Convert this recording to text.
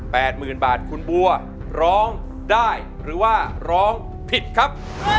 หมื่นบาทคุณบัวร้องได้หรือว่าร้องผิดครับ